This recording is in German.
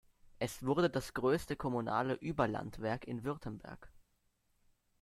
Es wurde das größte kommunale Überlandwerk in Württemberg.